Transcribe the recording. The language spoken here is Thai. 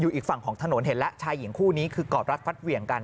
อีกฝั่งของถนนเห็นแล้วชายหญิงคู่นี้คือกอดรัดฟัดเหวี่ยงกัน